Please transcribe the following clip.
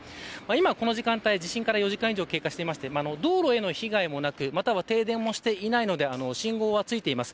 今この時間帯、地震から４時間以上経過していて道路への被害もなく、また停電もしていないので信号はついています。